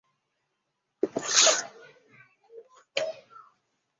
马凡氏症候群为一种遗传性结缔组织疾病。